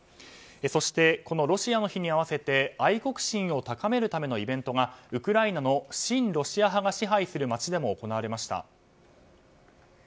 そして、ロシアの日に合わせて愛国心を高めるためのイベントがウクライナの親ロシア派が支配する街でも行われました。